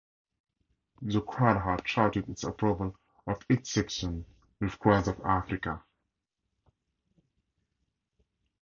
The crowd had shouted its approval of each section with cries of Afrika!